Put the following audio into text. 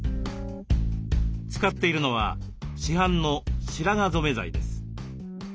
使っているのは市販の白髪染め剤です。